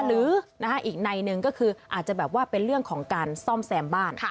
หรืออีกในหนึ่งก็คืออาจจะแบบว่าเป็นเรื่องของการซ่อมแซมบ้าน